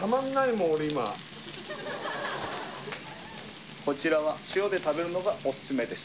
もう俺今こちらは塩で食べるのがオススメです